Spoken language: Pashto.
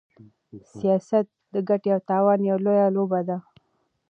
سياست د ګټې او تاوان يوه لويه لوبه ده.